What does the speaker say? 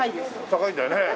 高いんだよね。